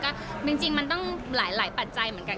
ก็จริงมันต้องหลายปัจจัยเหมือนกัน